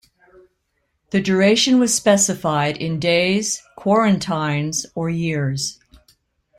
The duration was specified in days, quarantines, or years.